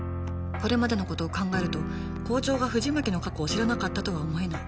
これまでのことを考えると校長が藤巻の過去を知らなかったとは思えない